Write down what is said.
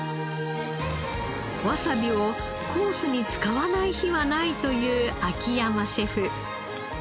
わさびをコースに使わない日はないという秋山シェフ。